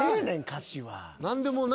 歌詞は。